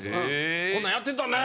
こんなんやってたね。